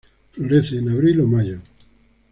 Florece en abril o mayo.